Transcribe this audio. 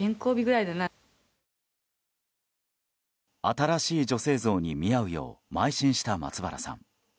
新しい女性像に見合うようまい進した松原さん。